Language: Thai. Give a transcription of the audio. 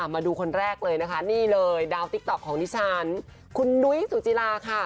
มาดูคนแรกเลยนะคะนี่เลยดาวติ๊กต๊อกของดิฉันคุณนุ้ยสุจิลาค่ะ